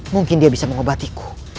mungkin dia bisa mengobatiku